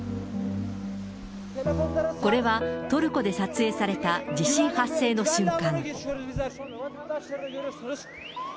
これはトルコで撮影された地震発生の瞬間。